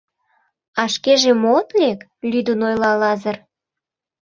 — А шкеже мо от лек? — лӱдын ойла Лазыр.